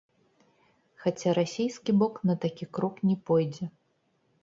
Хаця расійскі бок на такі крок не пойдзе.